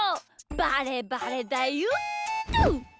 バレバレだよっと！